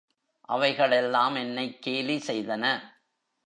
அவைகள் எல்லாம் என்னைக் கேலி செய்தன.